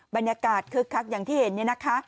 บรรยากาศคึกคักอย่างที่เห็นเนี่ยนะคะ